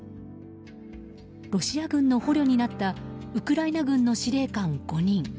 ロシア軍の捕虜になったウクライナ軍の司令官５人。